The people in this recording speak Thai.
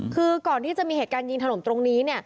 คือก่อนที่จะมีเหตุการณ์ยิงถล่มตรงนี้